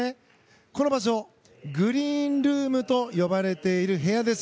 このグリーンルームと呼ばれている部屋です。